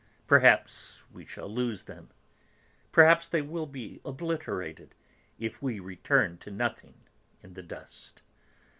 Perhaps we shall lose them, perhaps they will be obliterated, if we return to nothing in the dust.